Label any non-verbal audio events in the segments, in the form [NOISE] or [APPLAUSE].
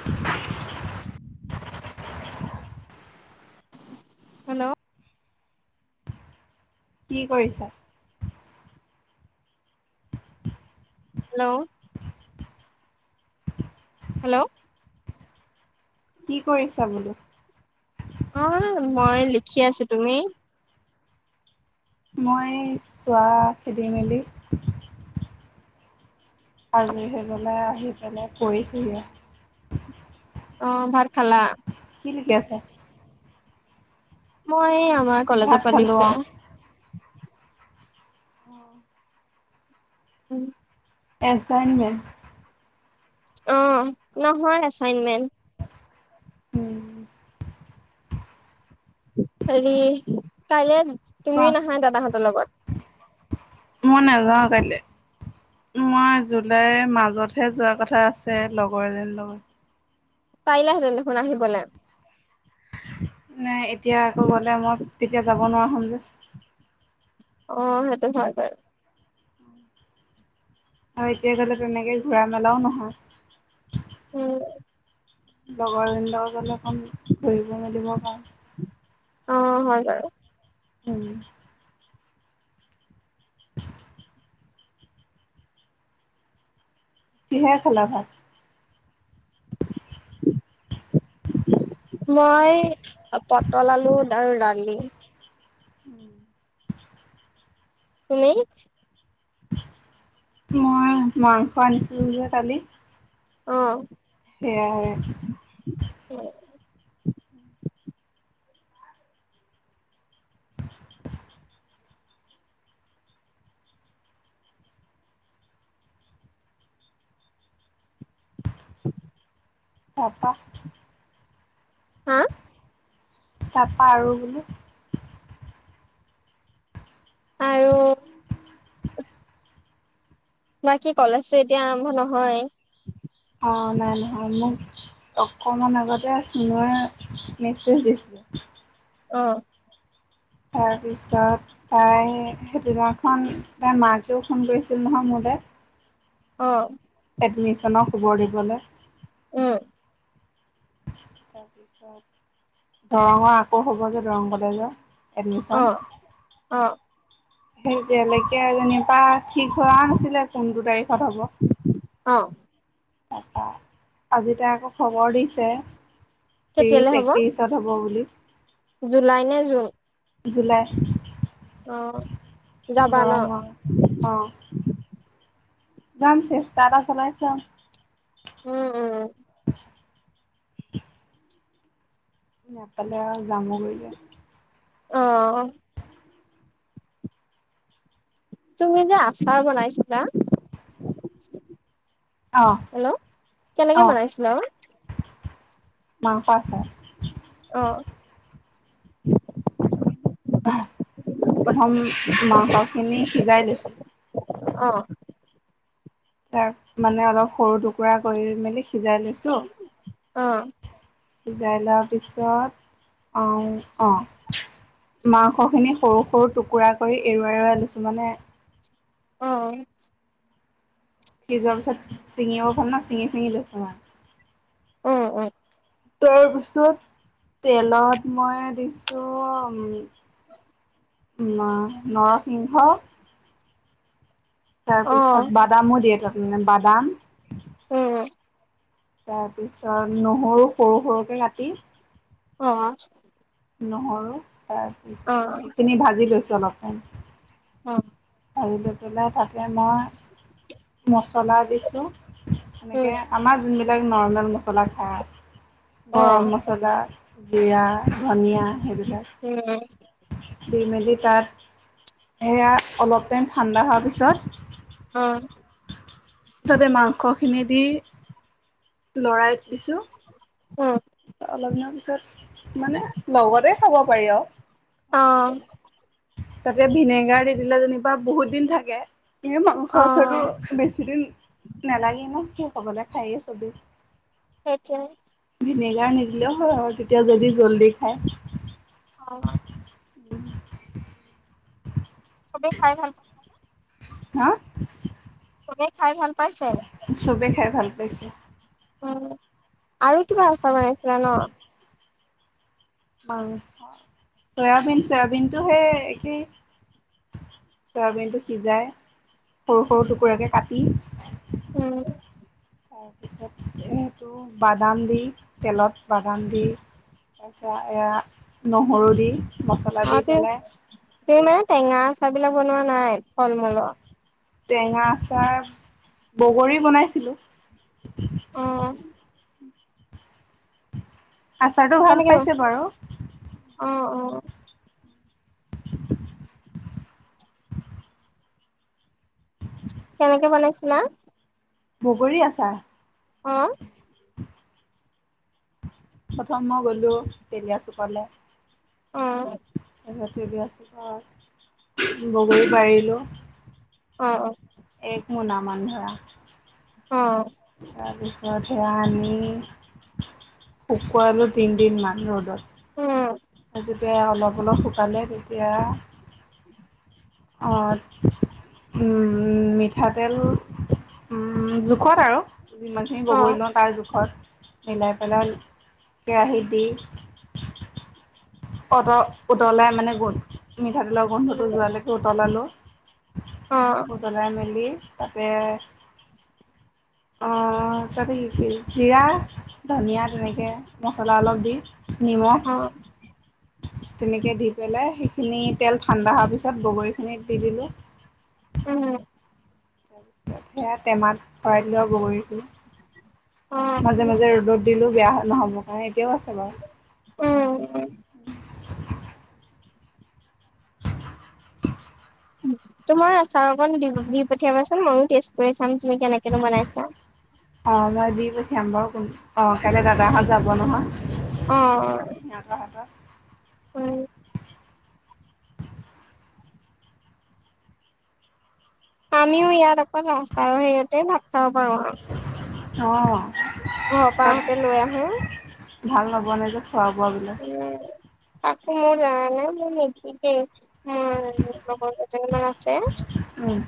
[INAUDIBLE] Hello কি কৰিছা hello hello কি কৰিছা বোলো অ' মই লিখি আছোঁ তুমি মই চোৱা খেদি মেলি আজৰি হৈ পেলাই আহি পেলাই কৰিছোঁহি আও অ' ভাত খালা কি লিখি আছা মই আমাৰ ভাত কলেজৰ পা খালো অ। দিছে অ' উম এচাইনমেণ্ট অ' তোমাৰ হোৱাই নাই এছাইনমেণ্ট উম হেৰি কাইলৈ কোৱা? তুমিও নাহা দাদাহঁতৰ লগত মই নেযাওঁ কাইলে মই জুলাইৰ মাজতহে যোৱা কথা আছে লগৰ এজনীৰ লগত পাৰিলাহেঁতেন দেখুন আহিবলে নাই এতিয়া আকৌ গ'লে মই তেতিয়া যাব নোৱাৰা হম যে অ সেইটো হয় বাৰু আৰু এতিয়া গ'লে তেনেকে ঘূৰা মেলাও নহয় উম লগৰজনী লগত গলে অকণ ঘূৰিব মেলিব পাম অ হয় বাৰু উম কিহেৰে খালা ভাত? [UNINTELLIGIBLE] মই পটল, আলু আৰু দালি [INAUDIBLE] তুমি? মই মাংস আনিছিলোঁগে কালি। অ সেয়ায়ে [INAUDIBLE] তাপা হা? তাপা আৰু বোলো আৰু বাকী কলেজতো এতিয়া আৰম্ভ নহয় অ নাই নহয় মোক অকমান আগতে চুনুৱে মেছেজ দিছিলে। অ তাৰপিছত তাই সেইদিনাখন তাই মাকেও ফোন কৰিছিল নহয় মোলে। অ এডমিছনৰ খবৰ দিবলে। উম তাৰপিছত, দৰঙৰ আকৌ হব যে দৰং কলেজত। অ, অ। সেই তেনেকে যেনিবা ঠিক হোৱা নাছিলে, কোনটো তাৰিখত হ'ব। অ তাপা আজি তাই আকৌ খবৰ দিছে ত্ৰিশ, কেতিয়ালে হ'ব একত্ৰিশ ত হ'ব বুলি। জুলাই নে জুন? জুলাই। অ যাবা ন দৰংৰ অ যাম চেষ্টা এটা চলাই চাম উম উম নাপালে আৱ যামগৈ আও অ'। তুমি যে আচাৰ বনাইছিলাঁ। অ', কেনেকে অ', বনাইছিলা মাংস আছাৰ। অ', প্ৰথম মাংসখিনি সিজাই লৈছোঁ। অ'। তাৰমানে অলপ সৰু টুকুৰা কৰি মেলি সিজাই লৈছোঁ। অ সিজাই লোৱাৰ পিছত, অ'অ'। মাংস খিনি সৰু সৰু টুকুৰা কৰি এৰুৱাই এৰুৱাই লৈছোঁ, মানে। অ', সি যোৱাৰ পিছত ছিঙিব পাম না, ছিঙি ছিঙি লৈছোঁ মানে। অ', অ'। তাৰপিছত, তেলত মই দিছোঁ ন নৰসিংহ। অ তাৰপিছত বাদামো দিয়ে তাৰমানে, বাদাম। উম্। তাৰপিছত, নহৰু সৰু সৰুকে কাটি। অ'। নহৰু, অ অ তাৰপিছত সেইখিনি ভাজি লৈছোঁ অলপমান। অ'। ভাজি লৈ পেলাই, তাতে মই মছলা দিছোঁ। এনেকে, আমাৰ যোনবিলাক নৰ্মেল মছলা খাওঁ, অ গৰম মছলা মচলা জিৰা, ধনিয়া সেইবিলাক। উম্। দি মেলি তাত, সেয়া অলপ টাইম ঠাণ্ডা হোৱাৰ পিছত অ'। মুঠতে মাংসখিনি দি, লৰাই দিছোঁ। উম্। অলপ দিনৰ পিছত, মানে লগতে খাব পাৰি অ আৰু। তাতে, ভিনেগাৰ দি দিলে যেনিবা বহুত দিন থাকে। এনেও, মাংস অ আচাৰটো বেছি দিন নালাগে ন', শেষ হ'বলে, খাইয়ে চবে। তাকে। ভিনেগাৰ নিদিলেও হয় আৰু তেতিয়া, যদি জল্দি খায়। অ', চবে খাই ভাল পায়। হা' চবেই খায় ভাল পাইছে। চবে খাই ভাল পাইছে উম্, আৰু কিবা আচাৰ বনাইছিলা ন'? অ', চয়াবিন, চয়াবিনটো সেই একেই। চয়াবিনটো সিজাই, সৰু-সৰু টুকুৰাকে কাটি উম্। তাৰপিছত, সেইটো বাদাম দি, তেলত বাদাম দি। তাৰপিছত, এয়া নহৰু দি, মছলা অ দি পেলাই তুমি মানে টেঙা আচাৰ বিলাক বনোৱা নাই, ফল-মূলৰ? টেঙা আচাৰ, বগৰীৰ বনাইছিলোঁ। অ আচাৰটো ভাল কেনেকে পাইছে বাৰু। অ' অ'। কেনেকে বনাইছিলা? বগৰী আচা। অ'। প্ৰথম মই গ'লোঁ তেলীয়া চুকলে অহ। তাচত তেলীয়া চুকত বগৰী পাৰিলোঁ। অ' অ'। একমোনা মান ধৰা। অ তাৰপিছত, সেয়া আনি শুকোৱালোঁ তিনদিনমান ৰ'দত। উম আৰু যেতিয়া অলপ অলপ শুকালে তেতিয়া অ' উম মি ঠাতেল উম জোখত আৰু যিমানখিনি অ বগৰী লওঁ তাৰ জোখত। মিলাই পেলাই কেৰাহীত দি অত উতলাই মানে গোন্ধ মিঠাতেলৰ গোন্ধটো যোৱালৈকে উতলালোঁ। অ উতলাই মেলি তাতে অ' তাতে কি কি? জিৰা, ধনিয়া, তেনেকে মছলা অলপ দি। নিমখ অ তেনেকে দি পেলাই সেইখিনি তেল ঠাণ্ডা হোৱাৰ পিছত বগৰীখিনিত দি দিলোঁ। উম ওম তাৰপিছত সেয়াত টেমাত ভৰাই দিলোঁ আও বগৰীখিনি অ মাজে মাজে ৰ'দত দিলো বেয়া নহ'ব টাইম এতিয়াও আছে বাও উম তোমাৰ আচাৰ অকণ দি দি পঠিয়াবাচোন ময়ো টেষ্ট কৰি চাম তুমি কেনেকেনো বনাইছা। অ মই দি পঠিয়াম বাৰু কোন, অ' কাইলে দাদাহঁত যাব নহয়। অ সিহঁতৰ হাতত। উম আমিও ইয়াত অকল আচাৰৰ হেৰিয়াতে ভাত খাব পাৰোঁ আও অ ঘৰপা তাত আহোতে লৈ আহো। ভাল নবনে যে, খোৱা বোৱাবিলাক। উম মোৰ জানানে মোৰ নিতিকেই। উম মোৰ লগত দুজনীমান আছে উম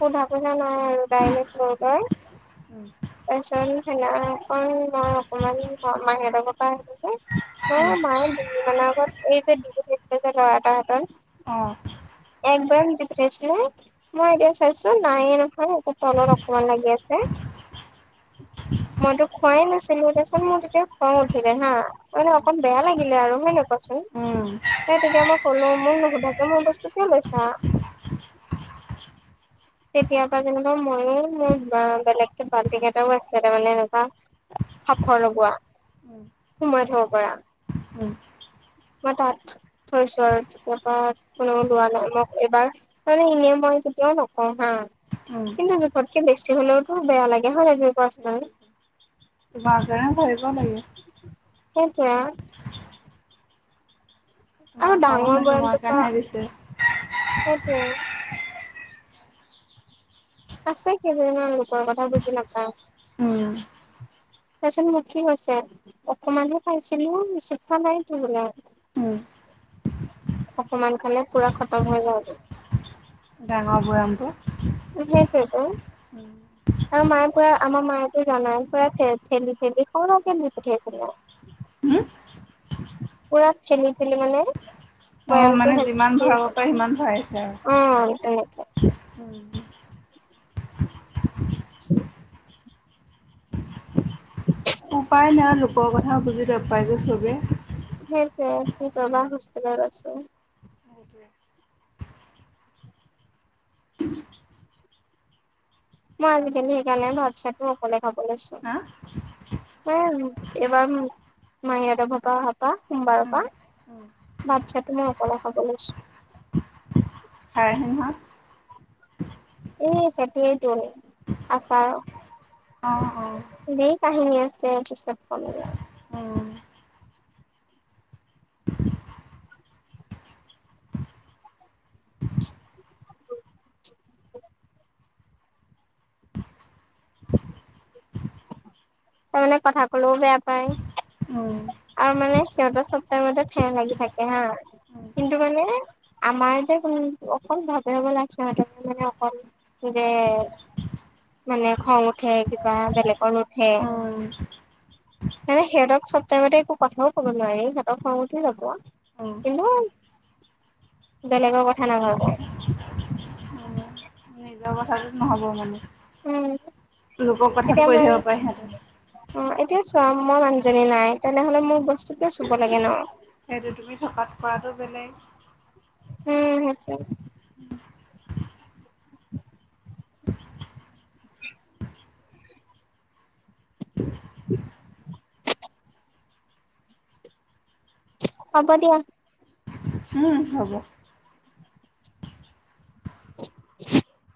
সোধা পোচা নাই আৰু ডাইৰেক্ট লৈ গৈ উম, তাৰপিচত সেইদিনাখন মই অকমান মাহীহঁতৰ ঘৰৰপৰা আহিলোগে অ উম, মায়ে দুদিন মানৰ আগত এই যে বিহুত দিছিলে যে ল'ৰা এটা হাতত অ এক বয়াম দি পঠিয়াইছিলে মই এতিয়া চাইচো, নায়ে নহয় একে তলত অকমান লাগি আছে। মইতো খোৱাই নাছিলোঁ তাপিছত মোৰ তেতিয়া খং উঠিলে হা মানে অকণ বেয়া লাগিলে আৰু, হয় নাই কোৱাচোন? উম, উম, এ তেতিয়া মই কলো, মোক নুশুধাকে মোৰ বস্তু কিয় লৈছা? তেতিয়াৰ পৰা যেনিবা ময়ে মোৰবা বেলেগকে বাল্টিং এটাও আছে তাৰ মানে এনেকুৱা। সাফৰ লগোৱা, সোমাই থব পাৰা। উম, মই তাত- থৈছো আৰু, তেতিয়া পৰা কোনেও লোৱা নাই ন, এইবাৰ মানে এনেই মই কেতিয়াও নক- কওঁ হাঁ, উম। কিন্তু জোখতকে বেছি হলেওতো বেয়া লাগে হয় নাই- কোৱাচোন তোমাজে ভাবিব লাগে। সেইটোৱে। আৰু তোমাৰ ঘৰৰ মানুহে ডাঙৰ তোমাৰ বয়ামটোৰ পৰা, কাৰণেহে দিছে। সেইটোৱে। সঁচাকে জানা লোকৰ কথা বুজি লাভ নাই। উম'। তাৰপিছত, মোৰ কি হৈছে? অকমানহে খাইছিলো বেছি খোৱা নাইতো বোলা। উম'। অকমান খালেই পোৰা খতম হৈ যায়গে। ডাঙৰ বয়ামটো। উম' সেইটোৱেটো। [INAUDIBLE] আৰু মায়ে পুৰা আমাৰ মায়ো যে জানাই পুৰা ঠেলি ঠেলি সৰহকে দি পঠিয়াইছিলে। হুওম? পুৰা ঠেলি ঠেলি মানে। অ' বৈয়ামটো মানে যিমান শেষ ভৰাব পাৰে সিমান ভৰাইছে অ তেনেকে আৰু, উম'। আছেনে? উপায় নাই লোকৰ কথা বুজি নাপায় যে চবে। সেইটোৱে কি ক'বা উম, হোষ্টেলত আছো। সেইটোৱে। মই আজিকালি সেইকাৰণে ভাত চাতো অকলে খাব লৈছোঁ। হা? ময় এইবাৰ মাঁহি হতৰ ঘৰৰপৰা অহা পা সোমবাৰৰ উম পা- উম ভাত চাতো মই অকলে খাব লৈছোঁ। হয় সিহঁত- এই সেইটোৱেটো, আছাৰৰ। অঁ অঁ। দেই কাহিনী আছে পিছত কম দিয়া। উম [UNINTELLIGIBLE] তাৰমানে কথা কলও বেয়া পায়। অঁ'। আৰু মানে সিহঁতৰ চব টাইমতে ঠেহ লাগি থাকে হাঁ- উম কিন্তু মানে আমাৰ যে কোন অকল ভাৱে হ'বলা সিহঁতক মানে অকল- যে মানে খং উঠে কিবা বেলেকৰ নো- ঠে, উম মানে সেহেঁতক চব- তোৰমতে একো কথাও কব নোৱাৰি, সিহঁত খং উঠি যাব। উম উম কিন্তু- বেলেগৰ কথা নাভাবে। নিজৰ কথাটোত নহ'ব মানে, উম লোক কথাতো কৈ থাকিব পাৰে সিহঁতে। উম' এতিয়া চোৱা মই মানুজনী নাই, তেনেহলে মোৰ বস্তু কিয় চুব লাগে ন? সেইটো তুমি ধপাত কৰাটো বেলেগ। উম' সেইটোৱে। [INAUDIBLE] [INAUDIBLE] হ'ব দিয়া। উম হ'ব [UNINTELLIGIBLE]